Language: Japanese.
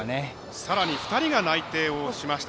さらに２人が内定をしました。